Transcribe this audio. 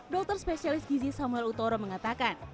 dokter spesialis gizi samuel utoro mengatakan